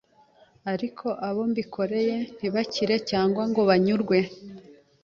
ariko abo mbikoreye ntibakire cyangwa ngo banyurwe